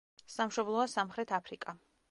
სამშობლოა სამხრეთ აფრიკა.